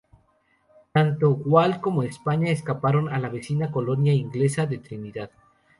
Tanto Gual como España escaparon a la vecina colonia inglesa de Trinidad.